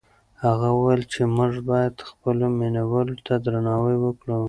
هغه وویل چې موږ باید خپلو مینه والو ته درناوی وکړو.